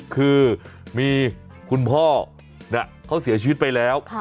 คือมีคุณพ่อเขาเสียชีวิตไปแล้ว